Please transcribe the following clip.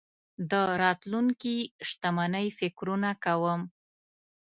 د راتلونکې شتمنۍ فکرونه کوم.